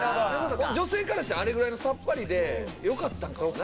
女性からしたらあれぐらいがさっぱりでよかったんかもな